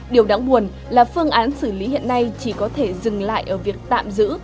điều đáng buồn là phương án xử lý hiện nay chỉ có thể dừng lại ở việc tạm giữ